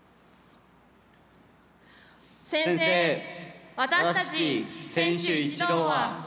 宣誓、私たち選手一同は。